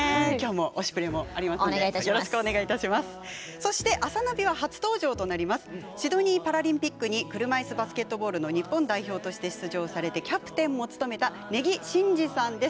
そして、「あさナビ」は初登場となりますシドニーパラリンピックに車いすバスケットボールの日本代表として出場されてキャプテンも務められた根木慎志さんです。